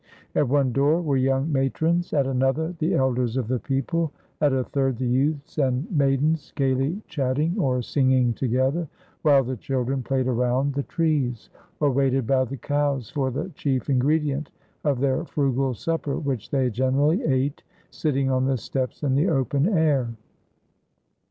At one door were young matrons, at another the elders of the people, at a third the youths and maidens, gaily chatting or singing together, while the children played around the trees, or waited by the cows for the chief ingredient of their frugal supper, which they generally ate sitting on the steps in the open air."